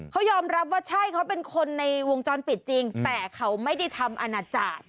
เขายอมรับว่าเป็นคนในวงจรปิดจริงก็ก่อไม่ได้ทำอาณาจารย์